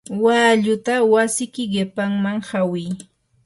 walluta wasiyki qipamman hawi.